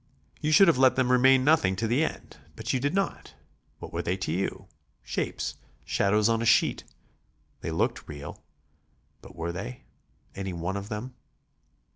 You should have let them remain nothing to the end. But you did not. What were they to you? Shapes, shadows on a sheet. They looked real. But were they any one of them?